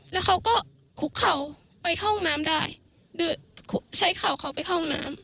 แล้วเค้าก็ขุกเค้าไปเข้าน้ำได้ใช้เค้าเค้าไปเข้าน้ำ